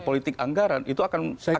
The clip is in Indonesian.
politik anggaran itu akan saya